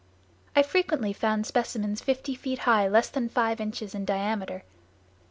I frequently found specimens fifty feet high less than five inches in diameter.